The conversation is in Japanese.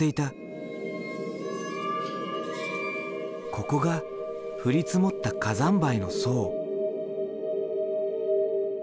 ここが降り積もった火山灰の層。